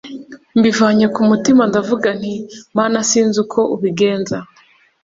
mbivanye ku mutima ndavuga nti Mana sinzi uko ubigenza